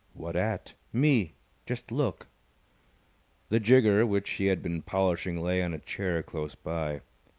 "What at?" "Me. Just look!" The jigger which he had been polishing lay on a chair close by.